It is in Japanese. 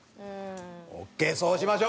ＯＫ、そうしましょう。